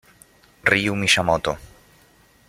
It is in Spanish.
Ryu Miyamoto